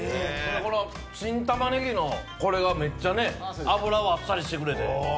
この新タマネギのこれがめっちゃね脂をあっさりしてくれて最高！